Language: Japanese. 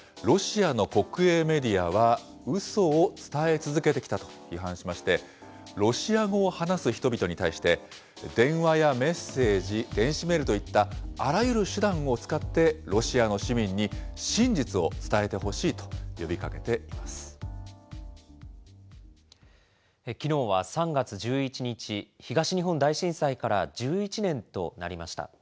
ロシアの国営メディアはうそを伝え続けてきたと批判しまして、ロシア語を話す人々に対して、電話やメッセージ、電子メールといったあらゆる手段を使ってロシアの市民に真実を伝えてほしいと呼びきのうは３月１１日、東日本大震災から１１年となりました。